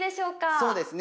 そうですね。